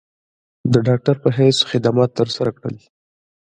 د ډاکټر پۀ حېث خدمات تر سره کړل ۔